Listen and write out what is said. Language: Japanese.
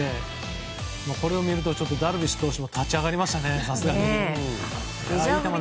これを見るとダルビッシュ投手も立ち上がりましたね。